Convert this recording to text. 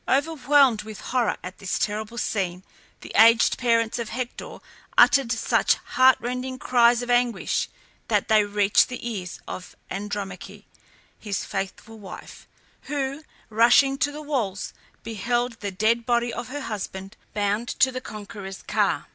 Overwhelmed with horror at this terrible scene the aged parents of Hector uttered such heart rending cries of anguish that they reached the ears of Andromache, his faithful wife, who, rushing to the walls, beheld the dead body of her husband, bound to the conqueror's car.